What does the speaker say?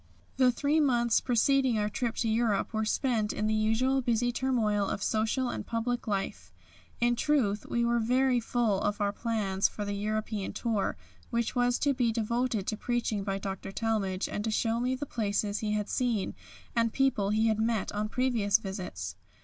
The three months preceding our trip to Europe were spent in the usual busy turmoil of social and public life. In truth we were very full of our plans for the European tour, which was to be devoted to preaching by Dr. Talmage, and to show me the places he had seen and people he had met on previous visits.